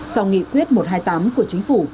sau nghị quyết một trăm hai mươi tám của chính phủ